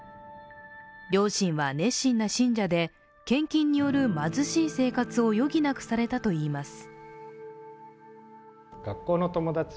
両親は熱心な信者で献金による貧しい生活を余儀なくされたといいます。